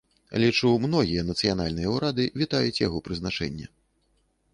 Лічу, многія нацыянальныя ўрады вітаюць яго прызначэнне.